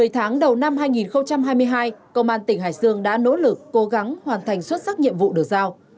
một mươi tháng đầu năm hai nghìn hai mươi hai công an tỉnh hải dương đã nỗ lực cố gắng hoàn thành xuất sắc nhiệm vụ được giao